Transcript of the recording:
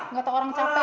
kenapa ini orang ya